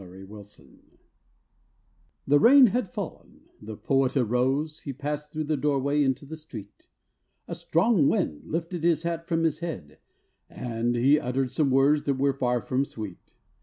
THE POET'S HAT The rain had fallen, the Poet arose, He passed through the doorway into the street, A strong wind lifted his hat from his head, And he uttered some words that were far from sweet.